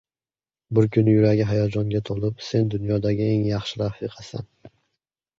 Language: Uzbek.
Bir kuni yuragi hayajonga toʻlib: “Sen dunyodagi eng yaxshi rafiqasan.